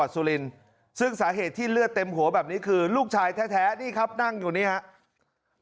สุรินทร์ซึ่งสาเหตุที่เลือดเต็มหัวแบบนี้คือลูกชายแท้นี่ครับนั่งอยู่นี่ครับ